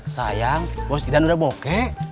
sayang bos kita udah bokeh